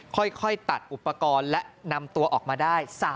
ค่อยตัดอุปกรณ์และนำตัวออกมาได้